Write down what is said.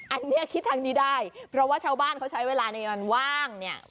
อันนี้คิดทางนี้ได้เพราะว่าชาวบ้านเขาใช้เวลาในการว่างเนี่ย